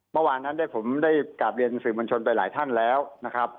เมื่อวานนั้นผมได้กราบเรียนสื่อมวลชนไปหลายท่านแล้วนะครับ